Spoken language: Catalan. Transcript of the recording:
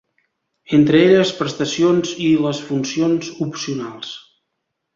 Entre elles prestacions i les funcions opcionals.